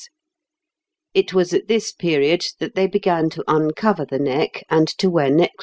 It was at this period that they began to uncover the neck and to wear necklaces.